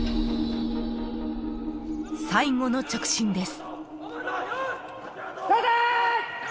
［最後の直進です］